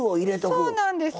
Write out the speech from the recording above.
そうなんです。